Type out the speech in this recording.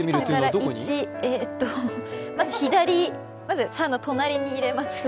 えーとまず、３の隣に入れますね。